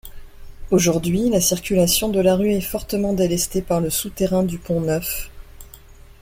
Aujourd'hui, la circulation de la rue est fortement délestée par le souterrain du Pont-Neuf.